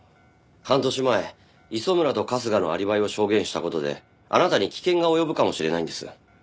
半年前磯村と春日のアリバイを証言した事であなたに危険が及ぶかもしれないんです。